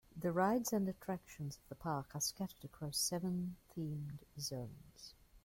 The rides and attractions of the park are scattered across seven themed zones.